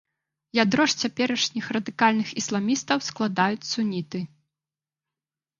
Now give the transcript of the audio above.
Ядро ж цяперашніх радыкальных ісламістаў складаюць суніты.